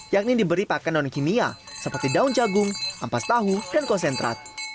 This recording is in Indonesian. yakni diberi pakan non kimia seperti daun jagung ampas tahu dan konsentrat